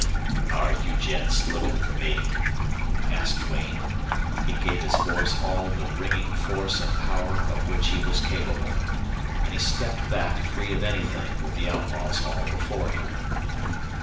"Are you gents lookin' for me?" asked Duane. He gave his voice all the ringing force and power of which he was capable. And he stepped back, free of anything, with the outlaws all before him.